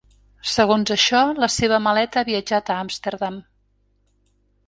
Segons això, la seva maleta ha viatjat a Amsterdam.